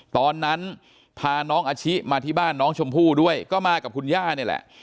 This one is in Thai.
ตอนนั้นพาน้องอาชิมาที่บ้านน้องชมพู่ด้วยก็มากับคุณย่านี่แหละ